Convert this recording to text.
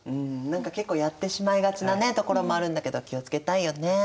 何か結構やってしまいがちなところもあるんだけど気を付けたいよね。